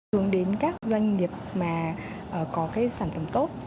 hướng đến các doanh nghiệp mà có cái sản phẩm tốt